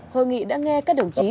hội nghị đã nghe các đồng chí